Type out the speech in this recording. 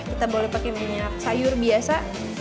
kita boleh pakai minyak sayur biasa